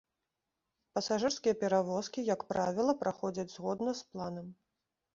Пасажырскія перавозкі, як правіла, праходзяць згодна з планам.